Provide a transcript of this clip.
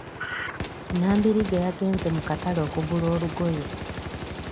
Nambirige yagenze mu katale okugula olugoye.